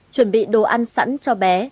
chuẩn bị đồ ăn sẵn cho bé